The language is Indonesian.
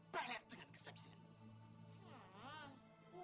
palet dengan keseksianmu